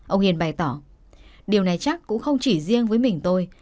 ông hiền bày tỏ điều này chắc cũng không chỉ riêng với mình tôi